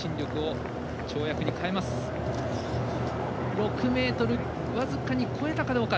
６ｍ僅かに超えたかどうか。